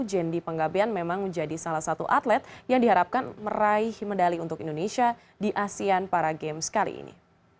jendi penggabean memang menjadi salah satu atlet yang diharapkan meraih medali untuk indonesia di asean para games kali ini